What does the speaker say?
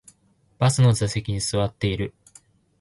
バスの座席に座っている